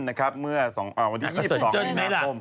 ว่าเมื่อ๒๒มีมหกคม